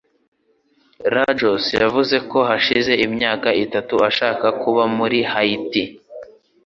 Lajos yavuze ko hashize imyaka itatu ashaka kuba muri haiti